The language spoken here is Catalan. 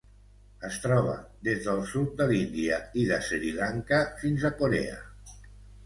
Es troba des del sud de l'Índia i de Sri Lanka fins a Corea.